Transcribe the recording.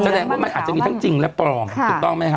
แสดงว่ามันอาจจะมีทั้งจริงและปลอมถูกต้องไหมฮ